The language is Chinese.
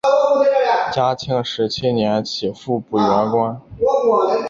嘉庆十七年起复补原官。